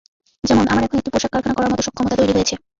যেমন আমার এখন একটি পোশাক কারখানা করার মতো সক্ষমতা তৈরি হয়েছে।